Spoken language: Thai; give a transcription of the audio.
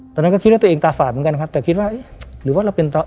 ตอนนั้นก็คิดว่าตัวเองตาฝาดเหมือนกันครับแต่คิดว่าเอ๊ะหรือว่าเราเป็น